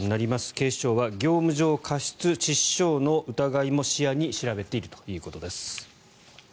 警視庁は業務上過失致死傷の疑いも視野に調べているということです。